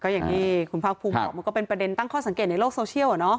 อย่างที่คุณภาคภูมิบอกมันก็เป็นประเด็นตั้งข้อสังเกตในโลกโซเชียล